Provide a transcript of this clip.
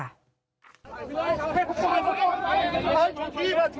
ไปเลย